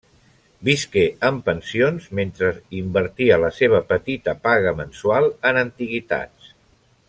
Visqué en pensions mentre invertia la seva petita paga mensual en antiguitats.